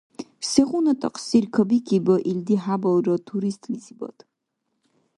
Сегъуна такьсир кабикиба илди хӀябалра туристлизибад?